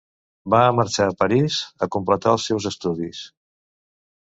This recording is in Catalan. Va marxar a París a completar els seus estudis.